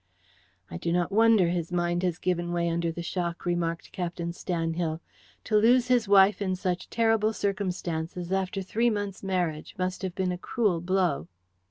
"I do not wonder his mind has given way under the shock," remarked Captain Stanhill. "To lose his wife in such terrible circumstances after three months' marriage must have been a cruel blow."